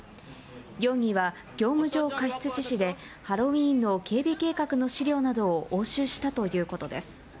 容疑は業務上過失致死で、ハロウィーンの警備計画の資料などを押収したということです。